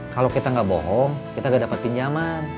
kalau kita enggak bohong kita enggak dapat pinjaman